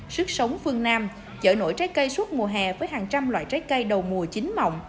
sức sống phương nam chợ nổi trái cây suốt mùa hè với hàng trăm loại trái cây đầu mùa chính mộng